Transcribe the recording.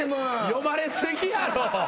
読まれ過ぎやろ。